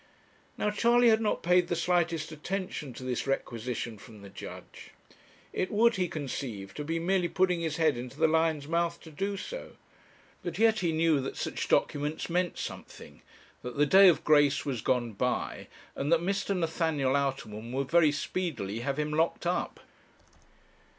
Now Charley had not paid the slightest attention to this requisition from the judge. It would, he conceived, have been merely putting his head into the lion's mouth to do so. But yet he knew that such documents meant something; that the day of grace was gone by, and that Mr. Nathaniel Outerman would very speedily have him locked up.